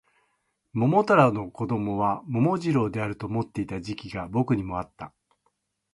桃太郎の子供は桃次郎であると思っていた時期が僕にもあった